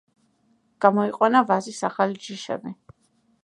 გამოიყვანა ვაზის ახალი ჯიშები.